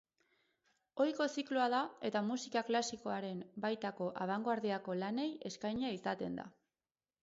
Ohiko zikloa da eta musika klasikoaren baitako abangoardiako lanei eskainia izaten da.